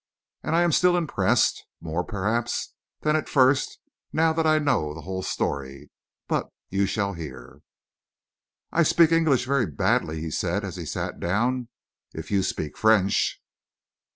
And I am still impressed; more, perhaps, than at first, now that I know the whole story but you shall hear. "I speak English very badly, sir," he said, as he sat down. "If you speak French...."